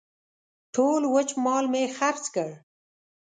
ټول وچ مال مې خرڅ کړ.